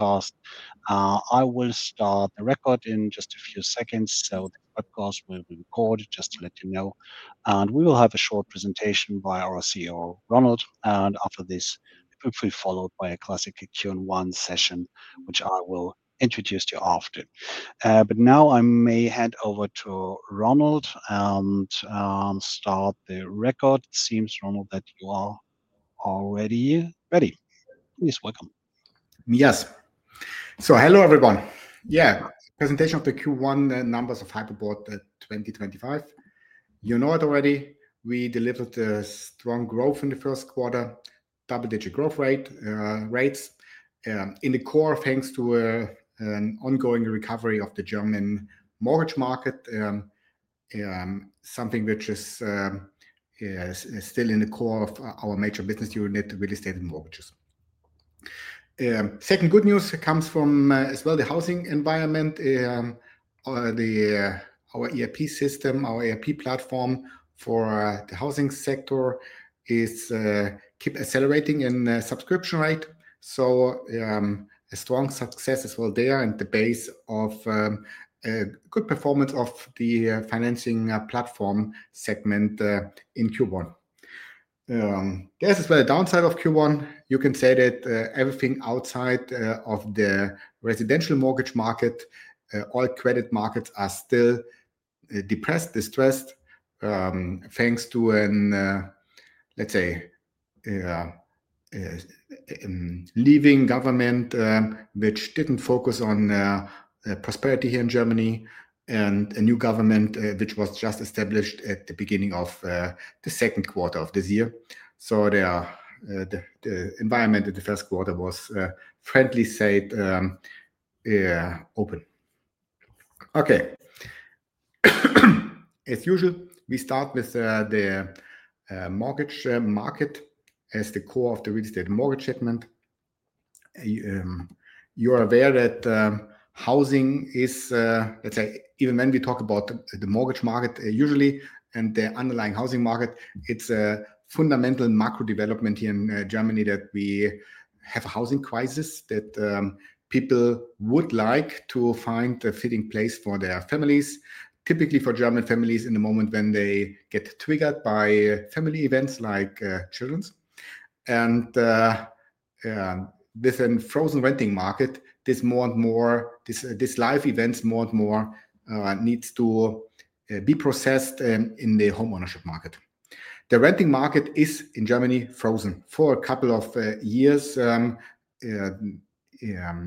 I will start the record in just a few seconds, so the podcast will be recorded, just to let you know. We will have a short presentation by our CEO, Ronald, and after this, hopefully followed by a classic Q&A session, which I will introduce to you after. Now I may hand over to Ronald and start the record. It seems, Ronald, that you are already ready. Please welcome. Yes. Hello, everyone. Yeah, presentation of the Q1 numbers of Hypoport 2025. You know it already. We delivered strong growth in the first quarter, double-digit growth rate, rates in the core, thanks to an ongoing recovery of the German mortgage market, something which is still in the core of our major business unit, real estate and mortgages. Second good news comes from, as well, the housing environment. Our ERP platform for the housing sector is keep accelerating in subscription rate. A strong success as well there and the base of good performance of the financing platform segment in Q1. There is as well a downside of Q1. You can say that everything outside of the residential mortgage market, all credit markets are still depressed, distressed, thanks to an, let's say, leaving government, which didn't focus on prosperity here in Germany, and a new government, which was just established at the beginning of the second quarter of this year. The environment in the first quarter was, frankly said, open. Okay. As usual, we start with the mortgage market as the core of the real estate mortgage segment. You're aware that housing is, let's say, even when we talk about the mortgage market usually, and the underlying housing market, it's a fundamental macro development here in Germany that we have a housing crisis, that people would like to find a fitting place for their families, typically for German families in the moment when they get triggered by family events like children's. With a frozen renting market, this more and more, this, this life events more and more, needs to, be processed, in the homeownership market. The renting market is in Germany frozen for a couple of years.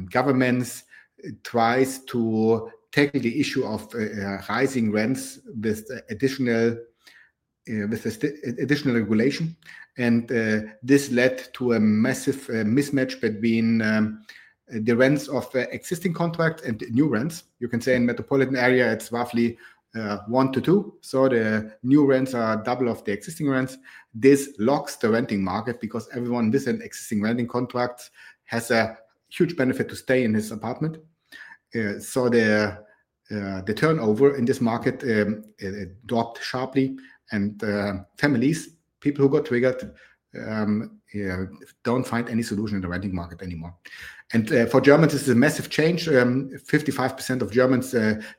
Governments try to tackle the issue of rising rents with additional, with additional regulation. This led to a massive mismatch between the rents of existing contracts and new rents. You can say in metropolitan area, it is roughly one to two. The new rents are double of the existing rents. This locks the renting market because everyone with an existing renting contract has a huge benefit to stay in his apartment. The turnover in this market dropped sharply. Families, people who got triggered, do not find any solution in the renting market anymore. For Germans, this is a massive change. 55% of Germans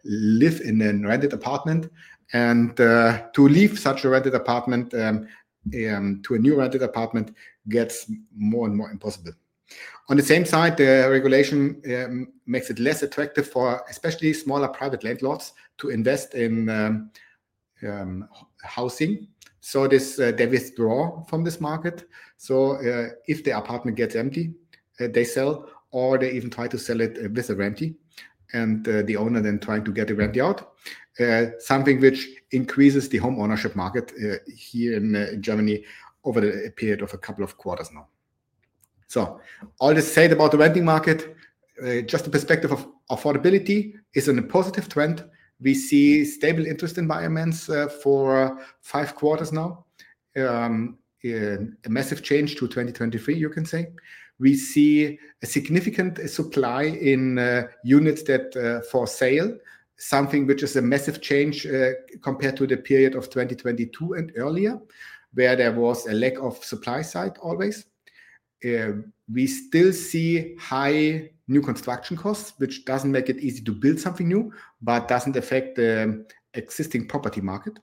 live in a rented apartment. To leave such a rented apartment to a new rented apartment gets more and more impossible. On the same side, the regulation makes it less attractive for especially smaller private landlords to invest in housing. They withdraw from this market. If the apartment gets empty, they sell or they even try to sell it with a renty. The owner then trying to get the rent out, something which increases the homeownership market here in Germany over the period of a couple of quarters now. All this said about the renting market, just the perspective of affordability is in a positive trend. We see stable interest environments for five quarters now. A massive change to 2023, you can say. We see a significant supply in units that, for sale, something which is a massive change compared to the period of 2022 and earlier, where there was a lack of supply side always. We still see high new construction costs, which does not make it easy to build something new, but does not affect the existing property market.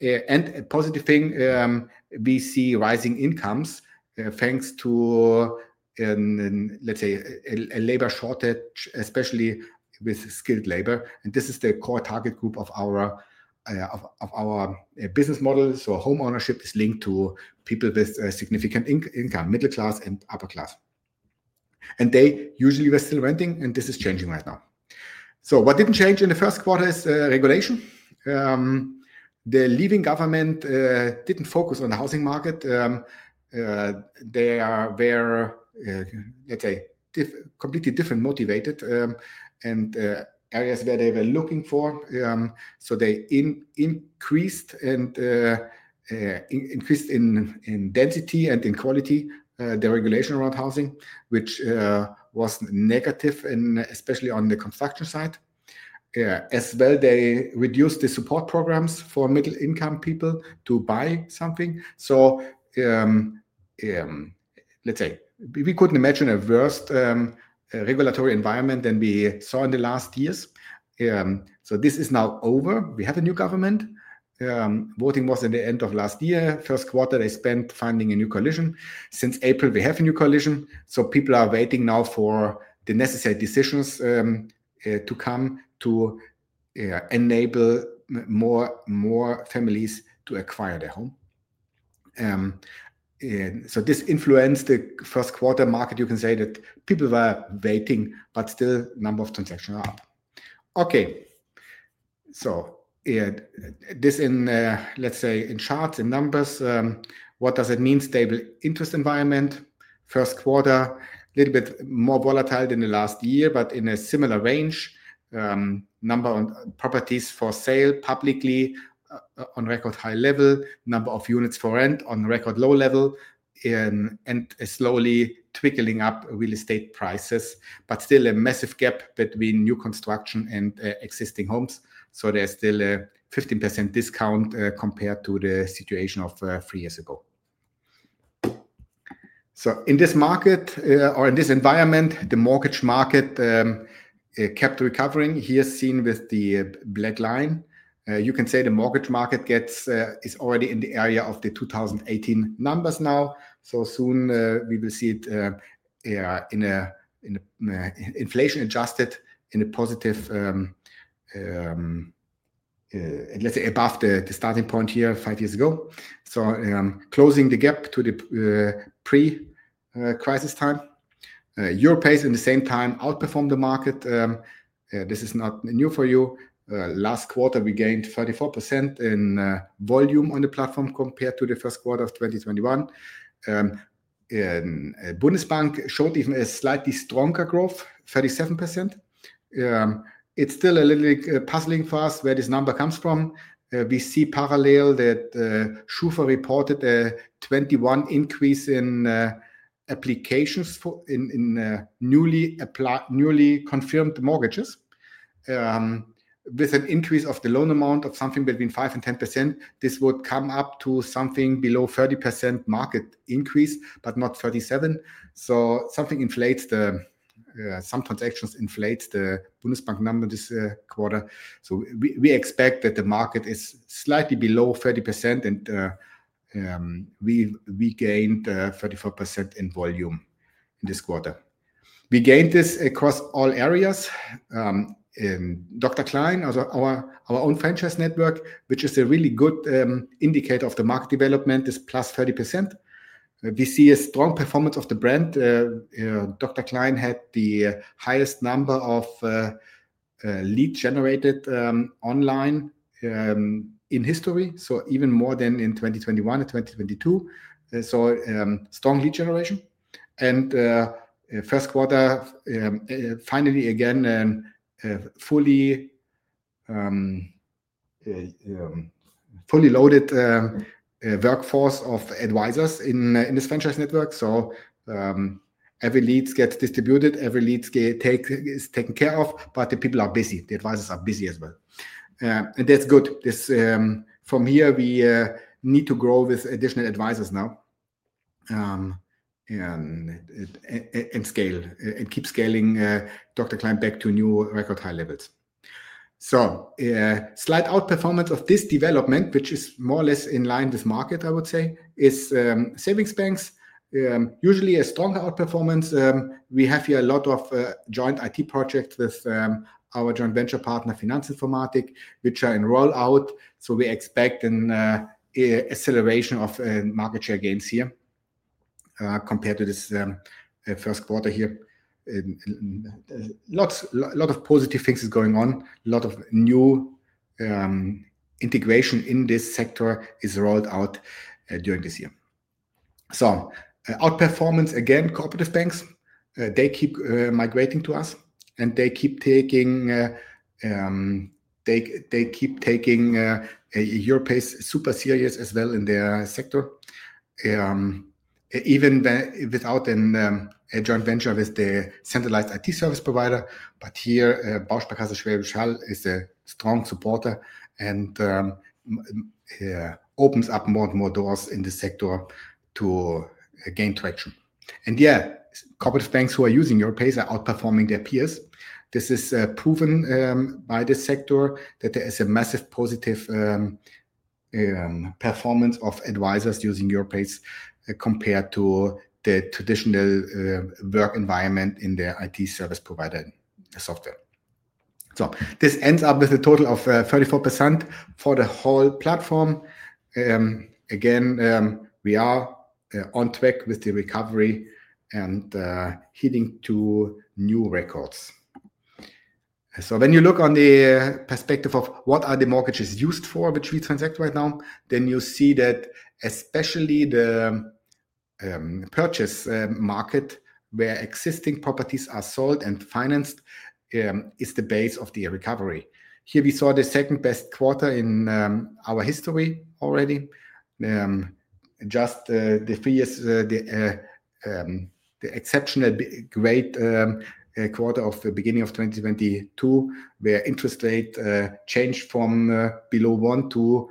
A positive thing, we see rising incomes, thanks to, let's say, a labor shortage, especially with skilled labor. This is the core target group of our, of, of our business model. Homeownership is linked to people with a significant income, middle class and upper class. They usually were still renting, and this is changing right now. What did not change in the first quarter is regulation. The leaving government did not focus on the housing market. They are, they're, let's say, completely different motivated, and areas where they were looking for. They increased in density and in quality, the regulation around housing, which was negative and especially on the construction side. As well, they reduced the support programs for middle-income people to buy something. Let's say, we couldn't imagine a worse regulatory environment than we saw in the last years. This is now over. We have a new government. Voting was at the end of last year. First quarter, they spent finding a new coalition. Since April, we have a new coalition. People are waiting now for the necessary decisions to come to enable more families to acquire their home. This influenced the first quarter market. You can say that people were waiting, but still number of transactions are up. Okay. This in, let's say in charts and numbers, what does it mean? Stable interest environment, first quarter, a little bit more volatile than last year, but in a similar range. Number of properties for sale publicly on record high level, number of units for rent on record low level, and slowly twiddling up real estate prices, but still a massive gap between new construction and existing homes. There is still a 15% discount, compared to the situation of three years ago. In this market, or in this environment, the mortgage market kept recovering here seen with the black line. You can say the mortgage market is already in the area of the 2018 numbers now. Soon, we will see it, in a, in a, inflation adjusted in a positive, let's say above the starting point here five years ago. Closing the gap to the pre-crisis time. Europace has in the same time outperformed the market. This is not new for you. Last quarter, we gained 34% in volume on the platform compared to the first quarter of 2021. Bundesbank showed even a slightly stronger growth, 37%. It's still a little bit puzzling for us where this number comes from. We see parallel that SCHUFA reported a 21% increase in applications for newly applied, newly confirmed mortgages. With an increase of the loan amount of something between 5-10%, this would come up to something below 30% market increase, but not 37%. Something inflates the, some transactions inflates the Bundesbank number this quarter. We expect that the market is slightly below 30% and we gained 34% in volume in this quarter. We gained this across all areas. Dr. Klein, our own franchise network, which is a really good indicator of the market development, is 30%+. We see a strong performance of the brand. Dr. Klein had the highest number of lead generated online in history, so even more than in 2021 and 2022. Strong lead generation. First quarter, finally again, fully loaded workforce of advisors in this franchise network. Every lead gets distributed, every lead is taken care of, but the people are busy. The advisors are busy as well, and that's good. From here, we need to grow with additional advisors now and scale and keep scaling Dr. Klein back to new record high levels. Slight outperformance of this development, which is more or less in line with market, I would say, is savings banks, usually a strong outperformance. We have here a lot of joint IT projects with our joint venture partner Finanz Informatik, which are in rollout. We expect an acceleration of market share gains here, compared to this first quarter here. A lot of positive things is going on. A lot of new integration in this sector is rolled out during this year. Outperformance again, cooperative banks, they keep migrating to us and they keep taking, they keep taking, Europace is super serious as well in their sector. Even without a joint venture with the centralized IT service provider. Here, Bausparkasse Schwäbisch Hall is a strong supporter and opens up more and more doors in the sector to gain traction. Cooperative banks who are using Europace are outperforming their peers. This is proven by the sector that there is a massive positive performance of advisors using Europace compared to the traditional work environment in their IT service provider software. This ends up with a total of 34% for the whole platform. Again, we are on track with the recovery and heading to new records. When you look on the perspective of what are the mortgages used for, which we transact right now, then you see that especially the purchase market where existing properties are sold and financed is the base of the recovery. Here we saw the second best quarter in our history already. Just the three years, the exceptional great quarter of the beginning of 2022, where interest rate changed from below 1% to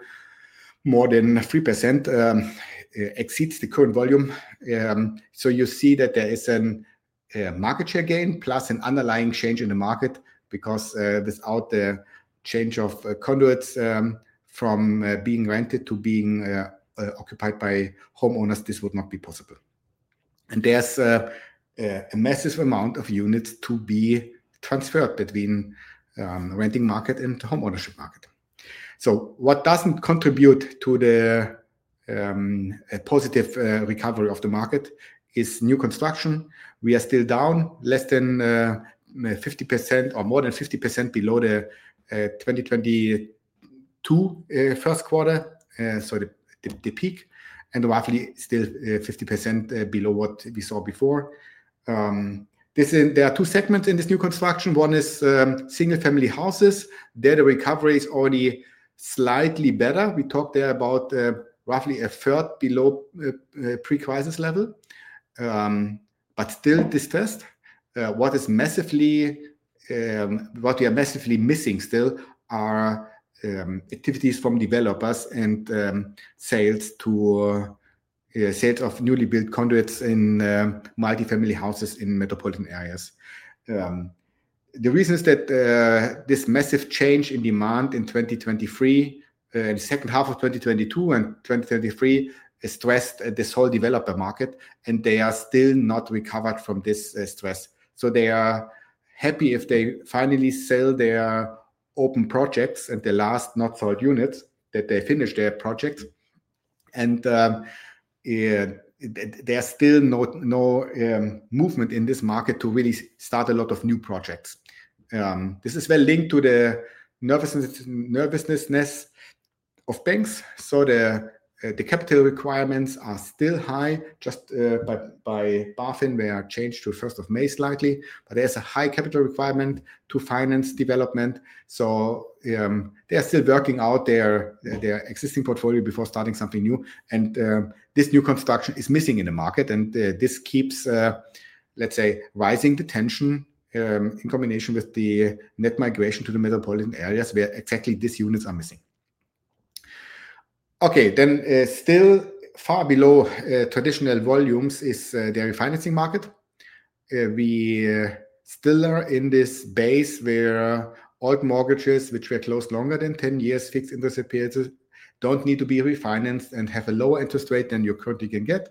more than 3%, exceeds the current volume. You see that there is a market share gain plus an underlying change in the market because, without the change of conduits from being rented to being occupied by homeowners, this would not be possible. There is a massive amount of units to be transferred between the renting market and the homeownership market. What does not contribute to a positive recovery of the market is new construction. We are still down more than 50% below the 2022 first quarter peak and roughly still 50% below what we saw before. There are two segments in this new construction. One is single family houses. There, the recovery is already slightly better. We talk there about roughly a third below pre-crisis level, but still dispersed. What we are massively missing still are activities from developers and sales of newly built condominiums in multi-family houses in metropolitan areas. The reason is that this massive change in demand in 2023, in the second half of 2022 and 2023, has stressed this whole developer market, and they are still not recovered from this stress. They are happy if they finally sell their open projects and the last not sold units, that they finished their projects. There is still no movement in this market to really start a lot of new projects. This is well linked to the nervousness of banks. The capital requirements are still high, just by, by bargain were changed to 1st of May slightly, but there is a high capital requirement to finance development. They are still working out their existing portfolio before starting something new. This new construction is missing in the market. This keeps, let's say, rising the tension, in combination with the net migration to the metropolitan areas where exactly these units are missing. Okay. Still far below traditional volumes is the refinancing market. We still are in this base where old mortgages, which were closed longer than 10 years, fixed interest appeals do not need to be refinanced and have a lower interest rate than you currently can get.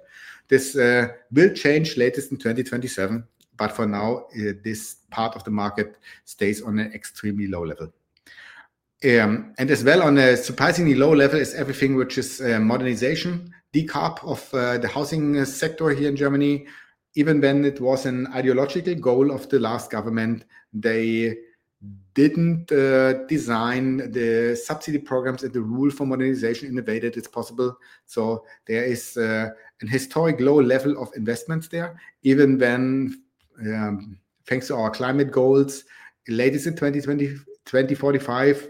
This will change latest in 2027, but for now, this part of the market stays on an extremely low level. As well, on a surprisingly low level is everything which is modernization, decarbonization of the housing sector here in Germany. Even when it was an ideological goal of the last government, they did not design the subsidy programs and the rule for modernization in a way that it is possible. There is an historic low level of investments there, even when, thanks to our climate goals, latest in 2045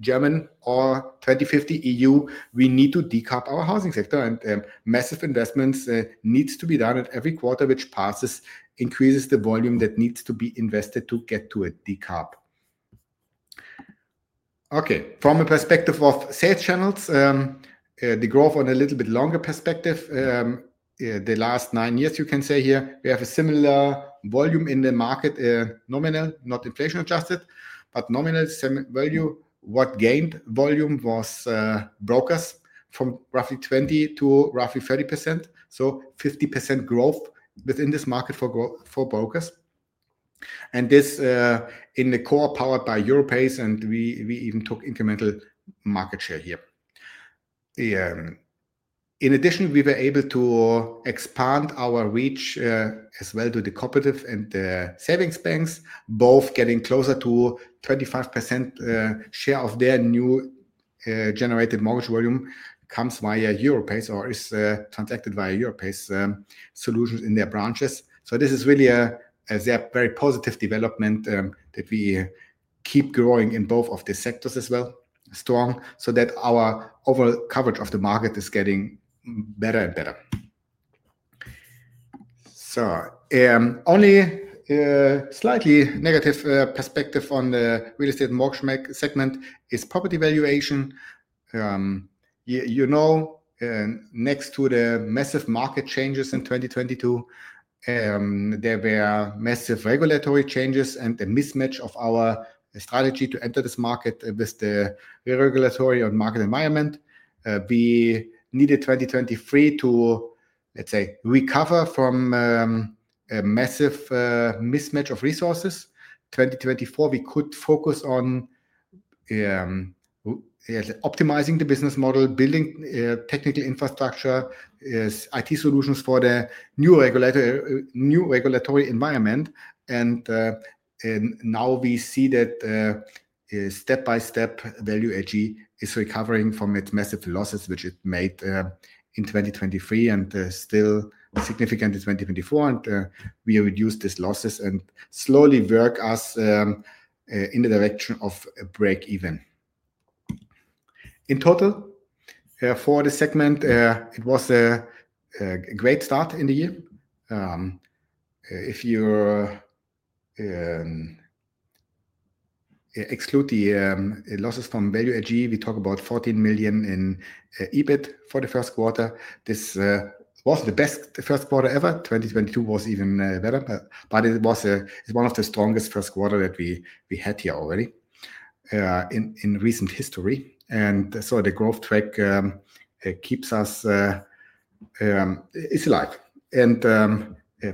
German or 2050 EU, we need to decarb our housing sector and massive investments need to be done. Every quarter which passes increases the volume that needs to be invested to get to a decarb. Okay. From a perspective of sales channels, the growth on a little bit longer perspective, the last nine years, you can say here, we have a similar volume in the market, nominal, not inflation adjusted, but nominal value. What gained volume was brokers from roughly 20%-roughly30%. So 50% growth within this market for growth for brokers. This, in the core, powered by Europace, and we even took incremental market share here. In addition, we were able to expand our reach as well to the cooperative and the savings banks, both getting closer to 25% share of their new generated mortgage volume comes via Europace or is transacted via Europace's solutions in their branches. This is really a very positive development, that we keep growing in both of the sectors as well, strong so that our overall coverage of the market is getting better and better. Only slightly negative perspective on the real estate mortgage segment is property valuation. You know, next to the massive market changes in 2022, there were massive regulatory changes and a mismatch of our strategy to enter this market with the regulatory on market environment. We needed 2023 to, let's say, recover from a massive mismatch of resources. 2024, we could focus on optimizing the business model, building technical infrastructure, IT solutions for the new regulatory, new regulatory environment. And now we see that, step by step, Value AG is recovering from its massive losses, which it made in 2023 and still significant in 2024. We reduce these losses and slowly work us in the direction of a break even. In total, for the segment, it was a great start in the year. If you exclude the losses from Value AG, we talk about 14 million in EBIT for the first quarter. This was the best, the first quarter ever. 2022 was even better, but it was a, it's one of the strongest first quarter that we had here already in recent history. The growth track keeps us, is alive. The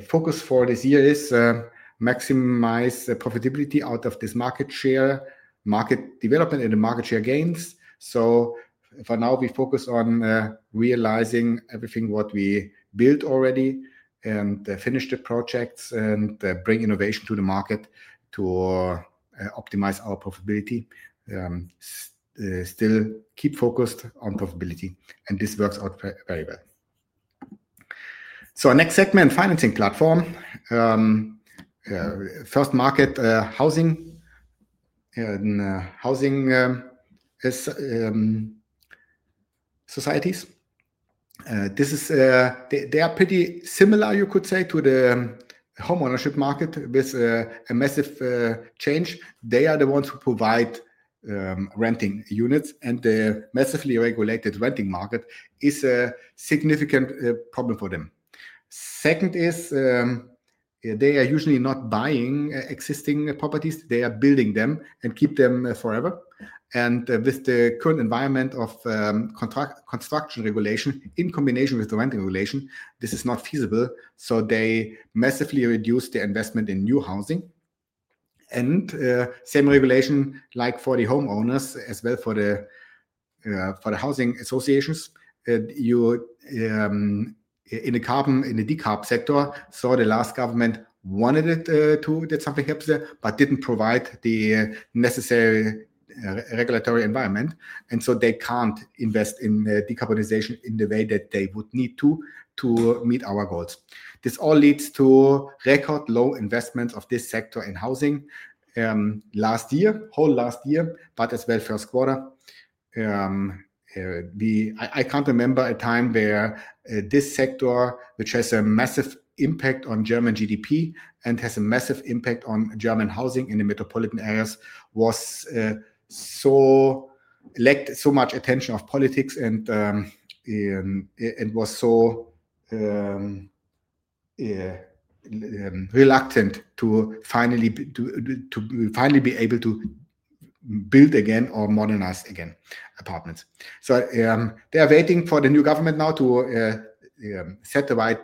focus for this year is maximize the profitability out of this market share, market development and the market share gains. For now, we focus on realizing everything what we built already and finish the projects and bring innovation to the market to optimize our profitability. Still keep focused on profitability and this works out very well. Our next segment, financing platform, first market, housing, housing societies. This is, they are pretty similar, you could say, to the homeownership market with a massive change. They are the ones who provide renting units and the massively regulated renting market is a significant problem for them. Second is, they are usually not buying existing properties. They are building them and keep them forever. With the current environment of construction regulation in combination with the renting regulation, this is not feasible. They massively reduce the investment in new housing and, same regulation like for the homeowners as well for the housing associations. You, in the carbon, in the decarb sector, saw the last government wanted it, to, that something helps there, but did not provide the necessary regulatory environment. They cannot invest in decarbonization in the way that they would need to, to meet our goals. This all leads to record low investments of this sector in housing, last year, whole last year, but as well first quarter. I cannot remember a time where this sector, which has a massive impact on German GDP and has a massive impact on German housing in the metropolitan areas, was, so lacked so much attention of politics and, and it was so, reluctant to finally be, to, to finally be able to build again or modernize again apartments. They are waiting for the new government now to set the right,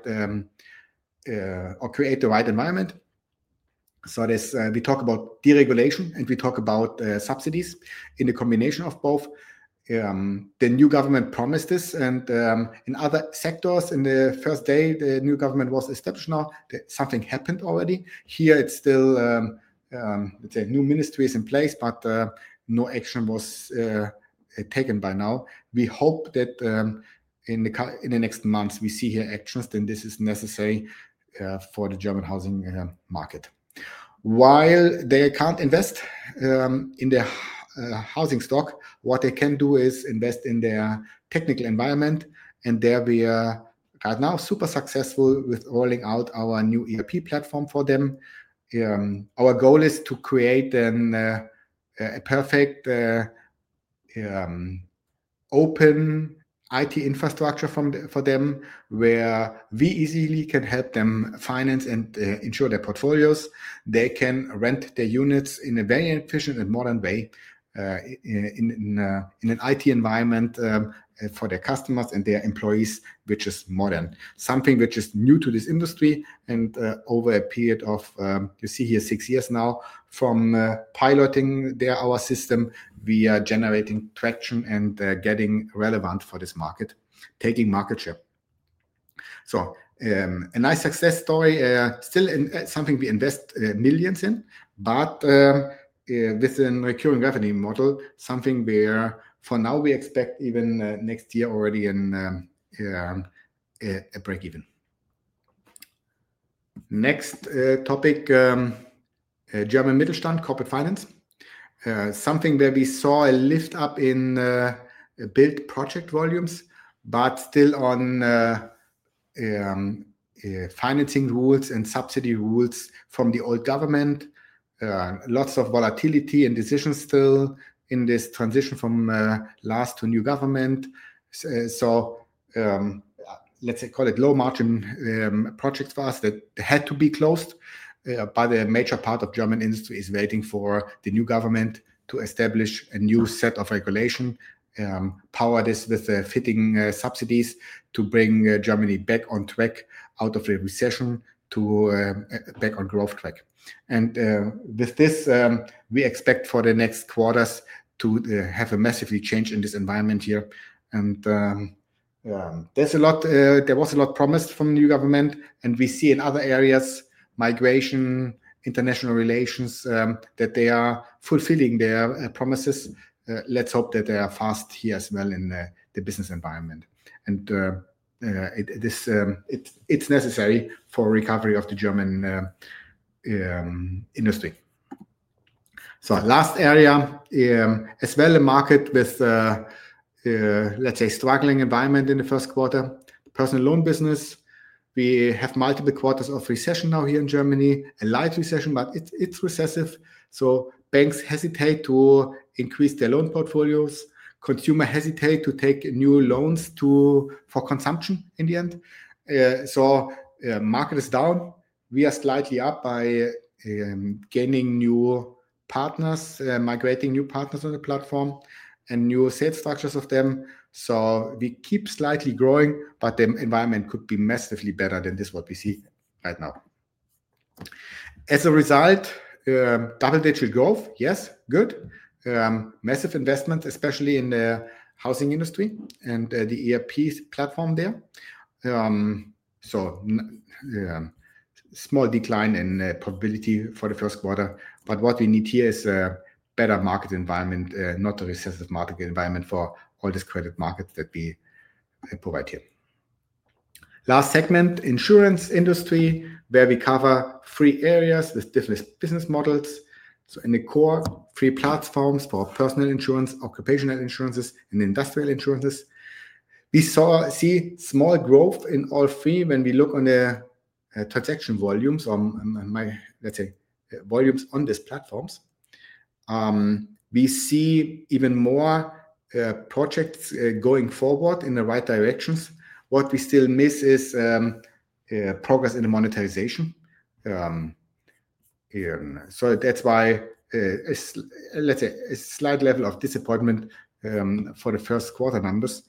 or create the right environment. We talk about deregulation and we talk about subsidies in the combination of both. The new government promised this and, in other sectors in the first day the new government was established. Now that something happened already here, it's still, let's say new ministry is in place, but no action was taken by now. We hope that, in the next months, we see here actions, then this is necessary for the German housing market. While they can't invest in the housing stock, what they can do is invest in their technical environment. And there we are right now super successful with rolling out our new ERP platform for them. Our goal is to create a perfect, open IT infrastructure for them where we easily can help them finance and ensure their portfolios. They can rent their units in a very efficient and modern way, in an IT environment, for their customers and their employees, which is modern, something which is new to this industry. Over a period of, you see here, six years now from piloting our system, we are generating traction and getting relevant for this market, taking market share. A nice success story, still in something we invest millions in, but within a recurring revenue model, something where for now we expect even next year already a break even. Next topic, German Mittelstand corporate finance, something where we saw a lift up in built project volumes, but still on financing rules and subsidy rules from the old government, lots of volatility and decisions still in this transition from last to new government. Let's say, call it low margin projects for us that had to be closed, by the major part of German industry is waiting for the new government to establish a new set of regulation, power this with the fitting subsidies to bring Germany back on track out of the recession to back on growth track. With this, we expect for the next quarters to have a massively change in this environment here. There was a lot promised from the new government and we see in other areas, migration, international relations, that they are fulfilling their promises. Let's hope that they are fast here as well in the business environment. It is necessary for recovery of the German industry. Last area, as well a market with, let's say, struggling environment in the first quarter, personal loan business. We have multiple quarters of recession now here in Germany, a light recession, but it's recessive. Banks hesitate to increase their loan portfolios. Consumers hesitate to take new loans for consumption in the end. The market is down. We are slightly up by gaining new partners, migrating new partners on the platform, and new sales structures of them. We keep slightly growing, but the environment could be massively better than this, what we see right now. As a result, double-digit growth, yes. Good, massive investments, especially in the housing industry and the ERP platform there. So, small decline in probability for the first quarter. What we need here is a better market environment, not a recessive market environment for all this credit market that we provide here. Last segment, insurance industry where we cover three areas with different business models. In the core, three platforms for personal insurance, occupational insurances, and industrial insurances. We saw, see small growth in all three when we look on the transaction volumes or my, let's say, volumes on these platforms. We see even more projects going forward in the right directions. What we still miss is progress in the monetization. That's why, let's say, a slight level of disappointment for the first quarter numbers.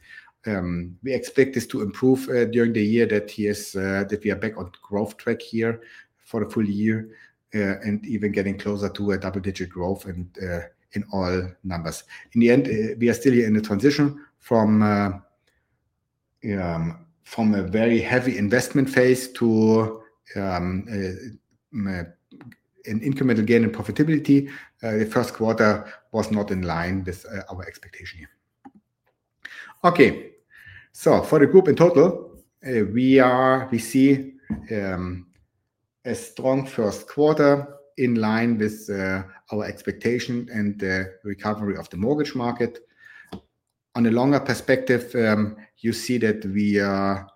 We expect this to improve during the year, that we are back on growth track here for the full year, and even getting closer to a double-digit growth in all numbers. In the end, we are still here in the transition from a very heavy investment phase to an incremental gain in profitability. The first quarter was not in line with our expectation here. Okay. For the group in total, we see a strong first quarter in line with our expectation and recovery of the mortgage market. On a longer perspective, you see that we are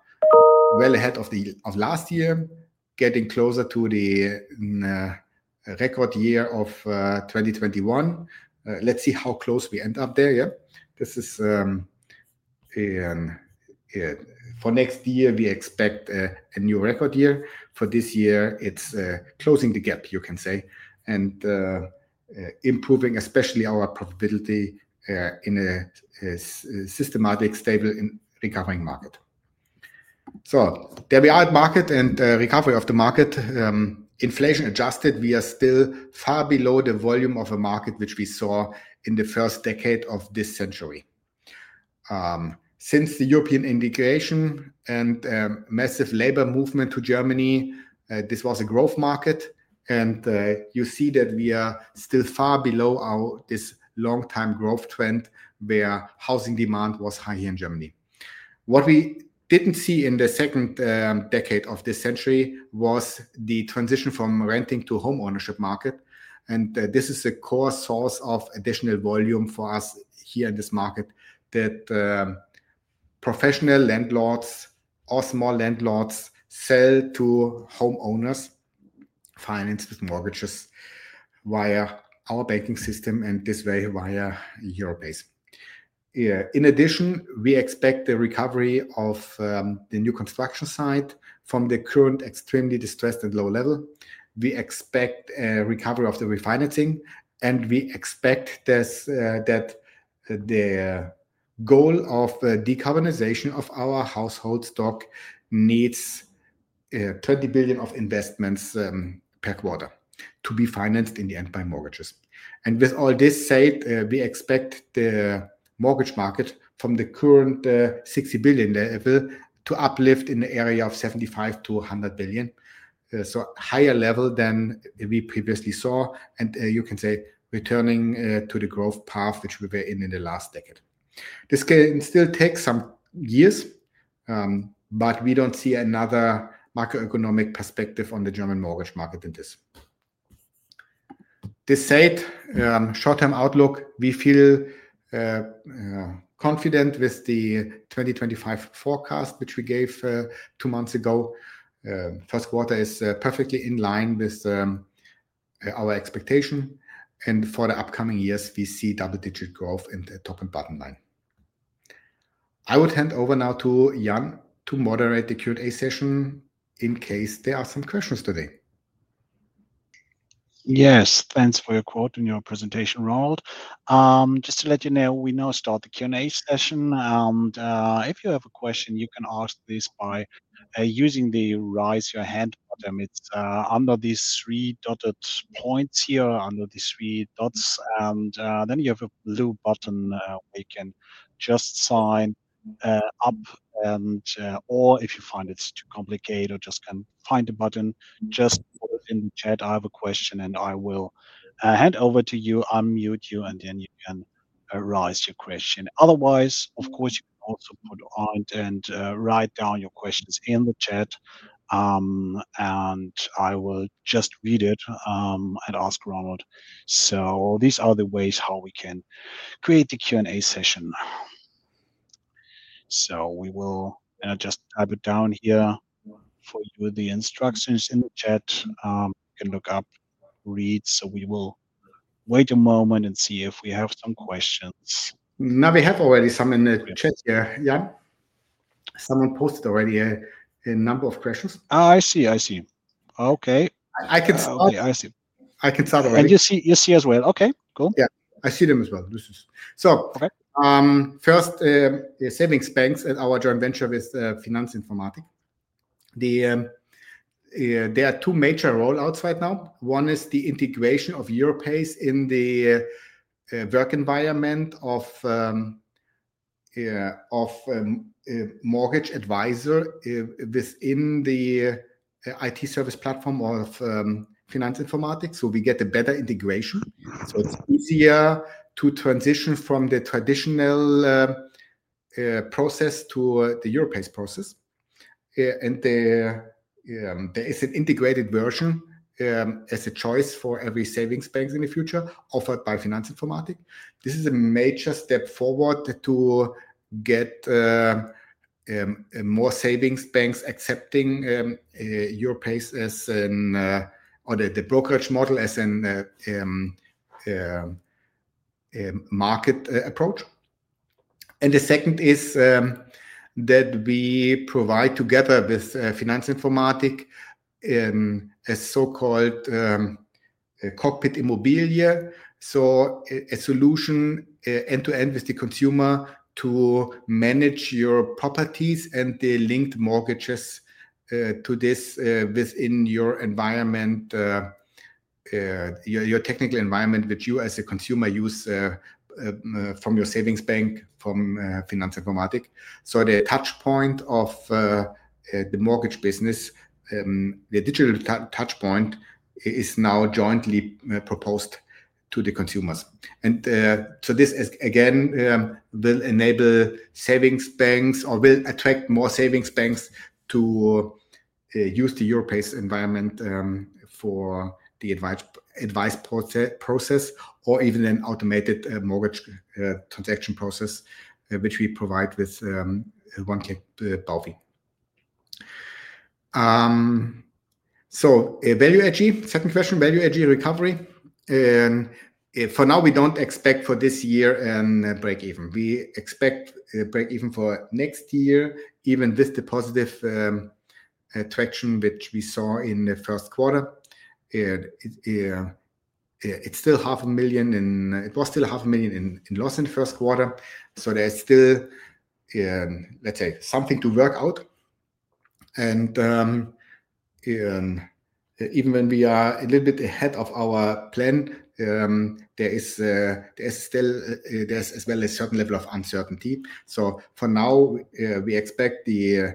well ahead of last year, getting closer to the record year of 2021. Let's see how close we end up there. Yeah. This is, for next year, we expect a new record year for this year. It's closing the gap, you can say, and improving especially our profitability, in a systematic, stable and recovering market. There we are at market and recovery of the market, inflation adjusted. We are still far below the volume of a market which we saw in the first decade of this century. Since the European integration and massive labor movement to Germany, this was a growth market. You see that we are still far below this longtime growth trend where housing demand was high here in Germany. What we did not see in the second decade of this century was the transition from renting to home ownership market. This is a core source of additional volume for us here in this market, that professional landlords or small landlords sell to homeowners financed with mortgages via our banking system and this way via Europace. In addition, we expect the recovery of the new construction site from the current extremely distressed and low level. We expect a recovery of the refinancing and we expect this, that, the goal of decarbonization of our household stock needs 20 billion of investments per quarter to be financed in the end by mortgages. With all this said, we expect the mortgage market from the current 60 billion level to uplift in the area of 75-100 billion, so higher level than we previously saw. You can say returning to the growth path which we were in in the last decade. This can still take some years, but we do not see another macroeconomic perspective on the German mortgage market than this. This said, short-term outlook, we feel confident with the 2025 forecast, which we gave two months ago. First quarter is, perfectly in line with, our expectation. For the upcoming years, we see double-digit growth in the top and bottom line. I would hand over now to Jan to moderate the Q&A session in case there are some questions today. Yes. Thanks for your quote and your presentation, Ronald. Just to let you know, we now start the Q&A session. If you have a question, you can ask this by using the raise your hand button. It is under these three dotted points here, under the three dots. Then you have a blue button, where you can just sign up, or if you find it is too complicated or just cannot find the button, just put it in the chat. I have a question and I will hand over to you. I will mute you and then you can raise your question. Otherwise, of course, you can also put on and write down your questions in the chat. I will just read it and ask Ronald. These are the ways how we can create the Q&A session. I will just type it down here for you, the instructions in the chat. You can look up, read. We will wait a moment and see if we have some questions. Now we have already some in the chat here. Yeah. Someone posted already a number of questions. Oh, I see. I see. Okay. I can start. Okay. I see. I can start already. You see, you see as well. Okay. Cool. Yeah. I see them as well. This is, so first, savings banks and our joint venture with Finanz Informatik. There are two major rollouts right now. One is the integration of Europace in the work environment of mortgage advisor within the IT service platform of Finanz Informatik. We get a better integration, so it's easier to transition from the traditional process to the Europace process. There is an integrated version as a choice for every savings bank in the future offered by Finanz Informatik. This is a major step forward to get more savings banks accepting Europace as an, or the, brokerage model as a market approach. The second is that we provide together with Finanz Informatik a so-called Cockpit Immobilia, so a solution end to end with the consumer to manage your properties and the linked mortgages to this within your environment, your technical environment, which you as a consumer use from your savings bank, from Finanz Informatik. The touchpoint of the mortgage business, the digital touchpoint, is now jointly proposed to the consumers. This again will enable savings banks or will attract more savings banks to use the Europace environment for the advice process or even an automated mortgage transaction process, which we provide with one-click Bovie. A Value AG second question, Value AG recovery. For now, we do not expect for this year a break even. We expect a break even for next year, even with the positive traction which we saw in the first quarter. It is still 500,000, and it was still 500,000 in loss in the first quarter. There is still, let us say, something to work out. Even when we are a little bit ahead of our plan, there is still a certain level of uncertainty. For now, we expect the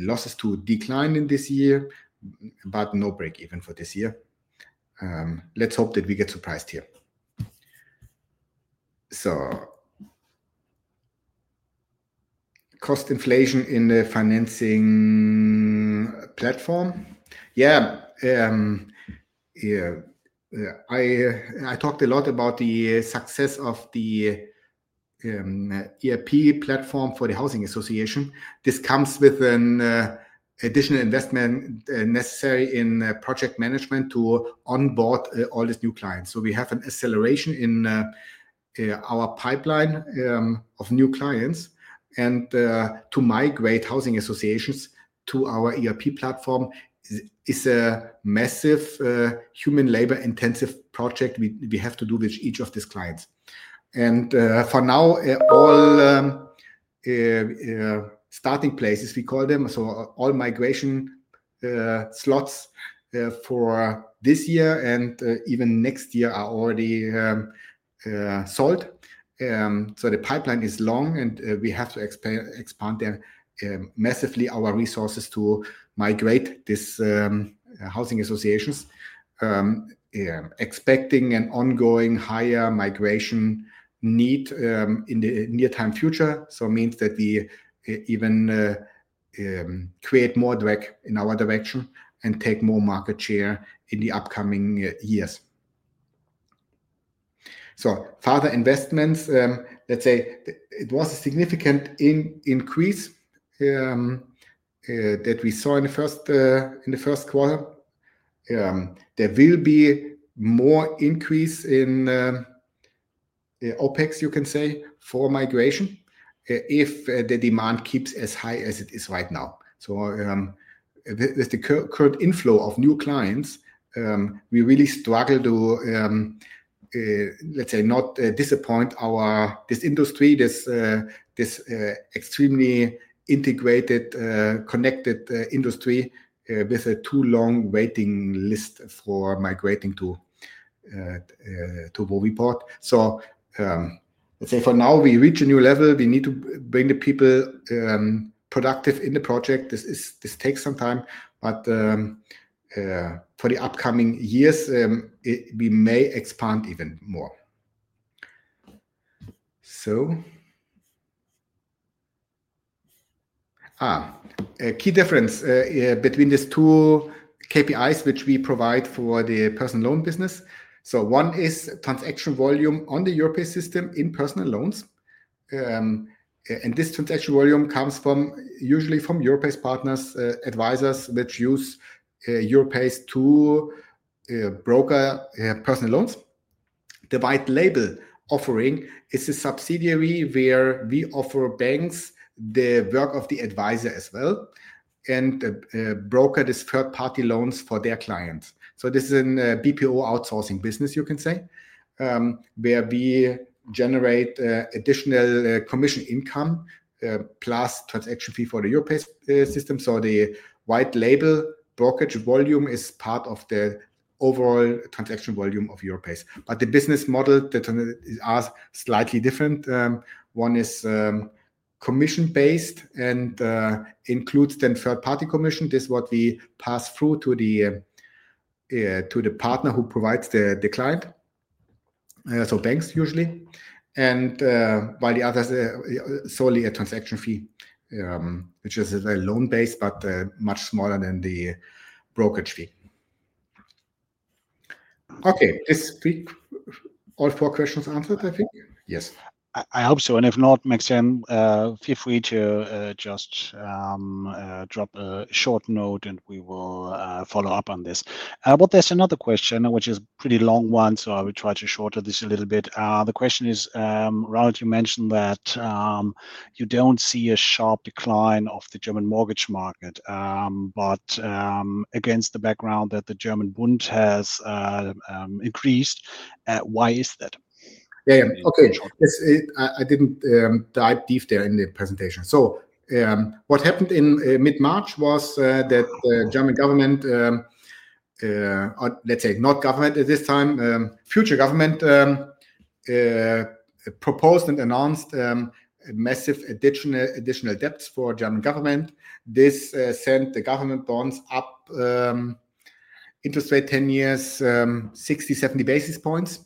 losses to decline in this year, but no break even for this year. Let's hope that we get surprised here. Cost inflation in the financing platform. Yeah, I talked a lot about the success of the ERP platform for the housing association. This comes with an additional investment, necessary in project management to onboard all these new clients. We have an acceleration in our pipeline of new clients, and to migrate housing associations to our ERP platform is a massive, human labor intensive project we have to do with each of these clients. For now, all starting places, we call them, so all migration slots for this year and even next year are already sold. The pipeline is long and we have to expand, expand them, massively our resources to migrate this, housing associations, expecting an ongoing higher migration need in the near time future. It means that we even create more drag in our direction and take more market share in the upcoming years. Further investments, let's say it was a significant increase that we saw in the first, in the first quarter. There will be more increase in OpEx, you can say for migration, if the demand keeps as high as it is right now. With the current inflow of new clients, we really struggle to, let's say not disappoint our, this industry, this, this, extremely integrated, connected, industry, with a too long waiting list for migrating to what we bought. Let's say for now we reach a new level, we need to bring the people, productive in the project. This is, this takes some time, but for the upcoming years, we may expand even more. A key difference between these two KPIs which we provide for the personal loan business. One is transaction volume on the Europace system in personal loans, and this transaction volume comes from usually from Europace partners, advisors which use Europace to broker personal loans. The white label offering is a subsidiary where we offer banks the work of the advisor as well and broker these third party loans for their clients. This is a BPO outsourcing business, you can say, where we generate additional commission income, plus transaction fee for the Europace system. The white label brokerage volume is part of the overall transaction volume of Europace, but the business model is slightly different. One is commission based and includes then third party commission. This is what we pass through to the partner who provides the client, so banks usually, and while the others, solely a transaction fee, which is loan based, but much smaller than the brokerage fee. Okay. This week, all four questions answered, I think. Yes. I hope so. If not, Maxim, feel free to just drop a short note and we will follow up on this. There is another question, which is a pretty long one. I will try to shorten this a little bit. The question is, Ronald, you mentioned that you don't see a sharp decline of the German mortgage market, but, against the background that the German bond has increased. Why is that? Yeah. Yeah. Okay. I didn't dive deep there in the presentation. What happened in mid-March was that the German government, or let's say not government at this time, future government, proposed and announced a massive additional, additional debts for German government. This sent the government bonds up, interest rate 10 years, 60-70 basis points.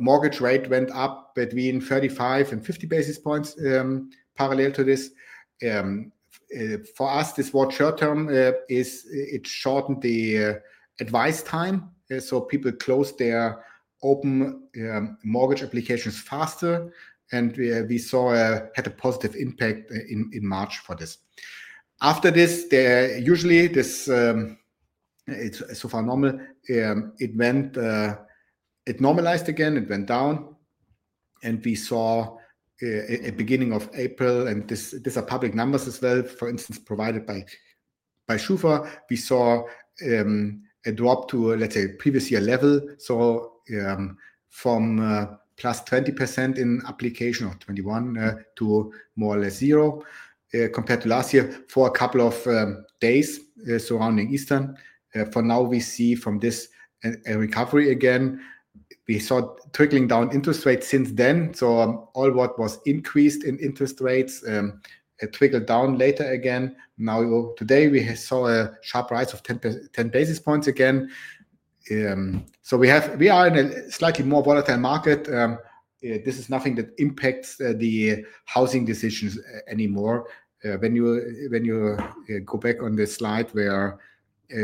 Mortgage rate went up between 35 and 50 basis points, parallel to this. For us, this short term, it shortened the advice time. People closed their open mortgage applications faster. We saw a, had a positive impact in March for this. After this, there usually this, it's so far normal, it went, it normalized again, it went down. We saw, at beginning of April, and this, these are public numbers as well, for instance, provided by SCHUfa, we saw, a drop to, let's say, previous year level. From, plus 20% in application or 21, to more or less zero, compared to last year for a couple of days, surrounding Easter. For now we see from this a recovery again. We saw trickling down interest rates since then. All what was increased in interest rates, it trickled down later again. Now today we saw a sharp rise of 10, 10 basis points again. We are in a slightly more volatile market. This is nothing that impacts the housing decisions anymore. When you go back on this slide where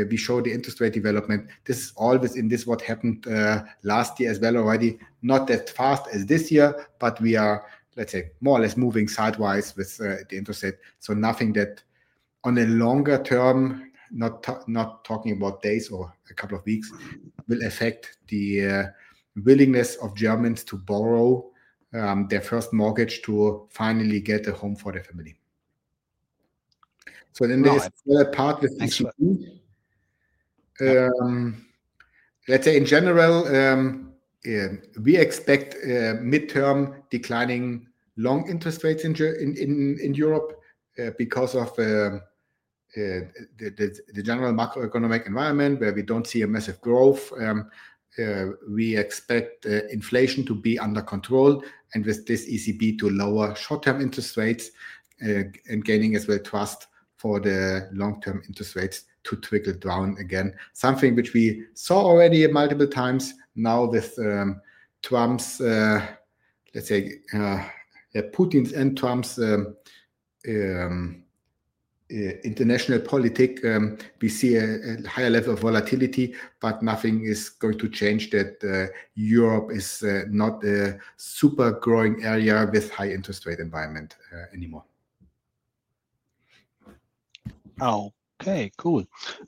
we show the interest rate development, this is always in this what happened last year as well already, not as fast as this year, but we are, let's say, more or less moving sidewise with the interest rate. Nothing that on a longer term, not talking about days or a couple of weeks, will affect the willingness of Germans to borrow their first mortgage to finally get a home for their family. There is a part with, let's say in general, we expect midterm declining long interest rates in Europe because of the general macroeconomic environment where we do not see a massive growth. We expect inflation to be under control and with this ECB to lower short term interest rates, and gaining as well trust for the long term interest rates to trickle down again, something which we saw already multiple times now with Trump's, let's say, yeah, Putin's and Trump's international politic, we see a higher level of volatility, but nothing is going to change that. Europe is not a super growing area with high interest rate environment anymore. Okay. Cool.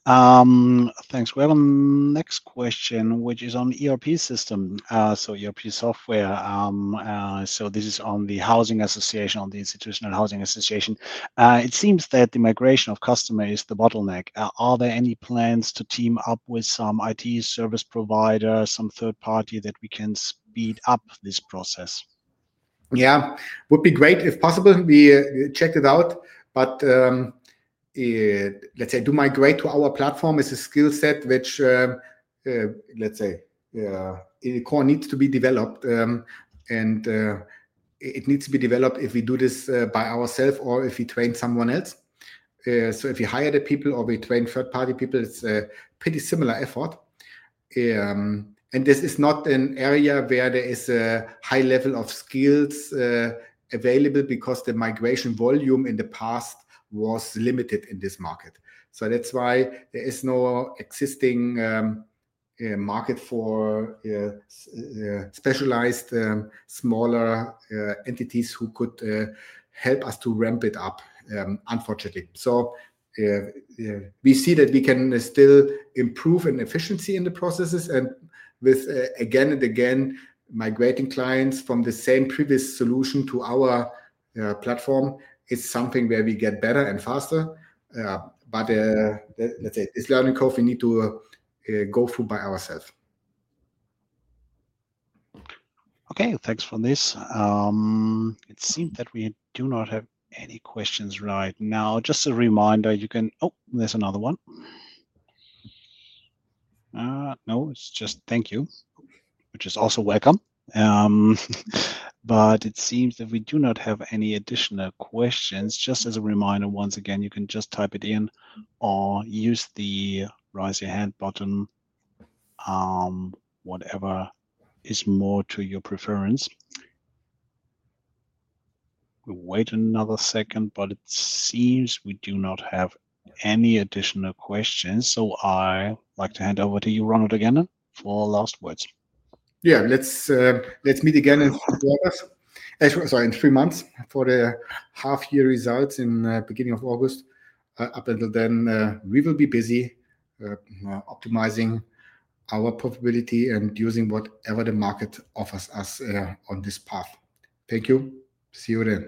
Thanks. Next question, which is on ERP system. So ERP software, so this is on the housing association, on the institutional housing association. It seems that the migration of customer is the bottleneck. Are there any plans to team up with some IT service provider, some third party that we can speed up this process? Yeah, would be great if possible. We checked it out, but, let's say, to migrate to our platform is a skill set which, let's say, in the core needs to be developed, and it needs to be developed if we do this by ourself or if we train someone else. If you hire the people or we train third party people, it's a pretty similar effort. This is not an area where there is a high level of skills available because the migration volume in the past was limited in this market. That's why there is no existing market for specialized, smaller entities who could help us to ramp it up, unfortunately. We see that we can still improve in efficiency in the processes and with, again and again, migrating clients from the same previous solution to our platform, it's something where we get better and faster. But, let's say this learning curve we need to go through by ourselves. Okay. Thanks for this. It seems that we do not have any questions right now. Just a reminder, you can, oh, there's another one. No, it's just thank you, which is also welcome. It seems that we do not have any additional questions. Just as a reminder, once again, you can just type it in or use the raise your hand button, whatever is more to your preference. We'll wait another second, but it seems we do not have any additional questions. I like to hand over to you, Ronald, again for last words. Yeah, let's meet again in three months. Sorry, in three months for the half year results in the beginning of August. Up until then, we will be busy, optimizing our profitability and using whatever the market offers us, on this path. Thank you. See you then.